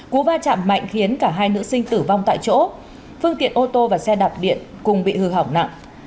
cú va chạm mạnh khiến cả hai nữ sinh tử vong tại chỗ phương tiện ô tô và xe đạp điện cùng bị hư hỏng nặng